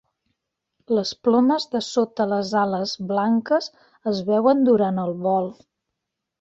Les plomes de sota les ales blanques es veuen durant el vol.